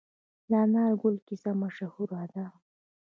د انار ګل کیسه مشهوره ده.